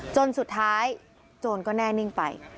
จนสุดท้ายโจรก็แน่นิ่งไป